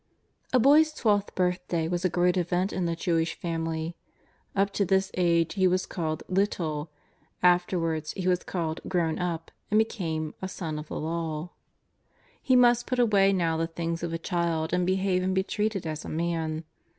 A boy's twelfth birthday was a great event in a Jewish family. Up to this age he was called ^' little," afterwards he was called " grown up " and became a ^' Son of the Law.'' He must put away now the things of a child and behave and be treated as a man.